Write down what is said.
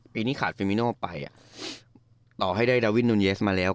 ปีนี้ขาดฟิมิโนไปต่อให้ได้ดาวินโดนเยสมาแล้ว